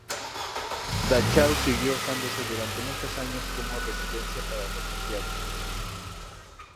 Dachau siguió usándose durante muchos años como residencia para refugiados.